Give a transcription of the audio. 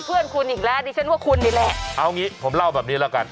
เพื่อนคุณอีกแล้วดิฉันว่าคุณนี่แหละเอางี้ผมเล่าแบบนี้แล้วกัน